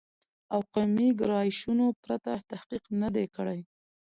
او قومي ګرایشونو پرته تحقیق نه دی کړی